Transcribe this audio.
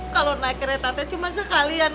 kalau naik kereta teh cuma sekali ya non ya